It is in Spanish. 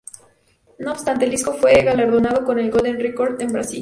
No obstante, el disco fue galardonado con el Golden Record en Brasil.